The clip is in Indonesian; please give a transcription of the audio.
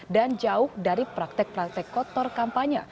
dan jauh dari praktek praktek kotor kampanye